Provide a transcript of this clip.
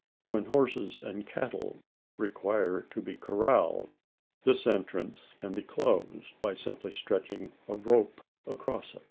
When horses and cattle require to be corralled, this entrance can be closed, by simply stretching a rope across it.